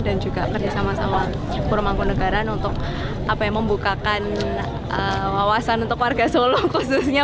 dan juga kerjasama sama uramanggunegara untuk membukakan wawasan untuk warga solo khususnya